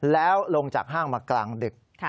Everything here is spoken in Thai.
แล้วลงจากห้างมากลางดึก